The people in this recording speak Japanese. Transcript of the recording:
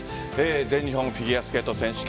全日本フィギュアスケート選手権